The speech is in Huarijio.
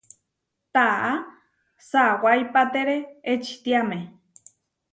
Taʼá sawaipatére ečitiáme.